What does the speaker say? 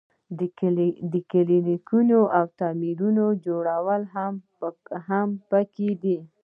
د کلینیکونو او تعمیراتو جوړول هم پکې دي.